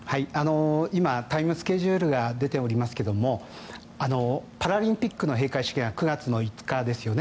今、タイムスケジュールが出ておりますがパラリンピックの閉会式が９月５日ですよね。